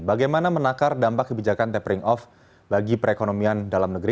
bagaimana menakar dampak kebijakan tapering off bagi perekonomian dalam negeri